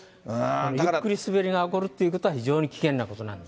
ゆっくり滑りが起きるということは非常に危険なことなんです。